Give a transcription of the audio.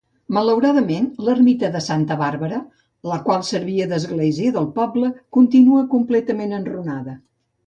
Malauradament, l'ermita de santa Bàrbara, la qual servia d'església del poble, continua completament enrunada.